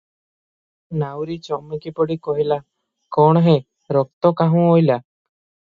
ନାଉରୀ ଚମକିପଡ଼ି କହିଲା, "କଣ ହେ! ରକ୍ତ କାହୁଁ ଅଇଲା?